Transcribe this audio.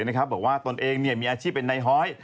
บอกว่าตนเองมีอาชีพเป็นนายฮ้อย